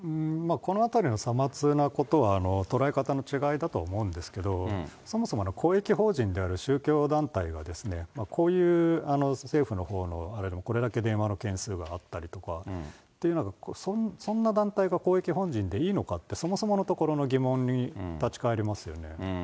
このあたりの些末なことは捉え方の違いだと思うんですけれども、そもそも公益法人である宗教団体が、こういう政府のほうのこれだけ電話の件数があったりとかっていうのがそんな団体が公益法人でいいのかって、そもそものところの疑問に立ち返りますよね。